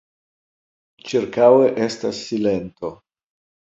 Ĉirkaŭe estas silento.